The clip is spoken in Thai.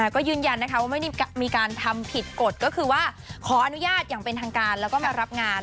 ก็ยืนยันนะคะว่าไม่ได้มีการทำผิดกฎก็คือว่าขออนุญาตอย่างเป็นทางการแล้วก็มารับงาน